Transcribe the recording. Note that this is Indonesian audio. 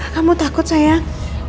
kamu takut sayang